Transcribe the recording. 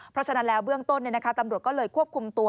เพราะฉะนั้นแล้วเบื้องต้นตำรวจก็เลยควบคุมตัว